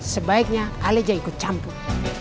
sebaiknya alisnya ikut campur